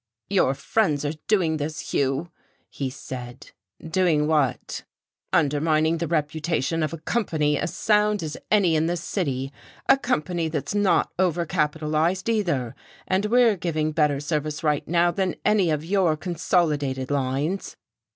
"Your friends are doing thus, Hugh," he said. "Doing what?" "Undermining the reputation of a company as sound as any in this city, a company that's not overcapitalized, either. And we're giving better service right now than any of your consolidated lines."...